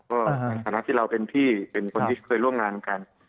ก็ในฐานะที่เราเป็นพี่เป็นคนที่เคยร่วมงานกัน